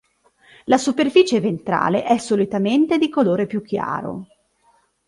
La superficie ventrale è solitamente di colore più chiaro.